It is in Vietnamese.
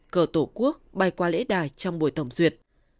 cờ tổ quốc bay qua lễ đài trong buổi tổng duyệt